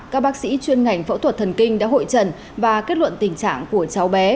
các bác sĩ chuyên ngành phẫu thuật thần kinh đã hội trần và kết luận tình trạng của cháu bé